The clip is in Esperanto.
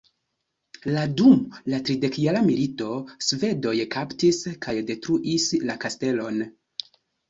La dum la tridekjara milito, Svedoj kaptis kaj detruis la kastelon.